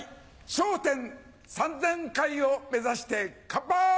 『笑点』３０００回を目指してカンパイ！